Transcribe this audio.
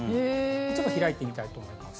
ちょっと開いてみたいと思います。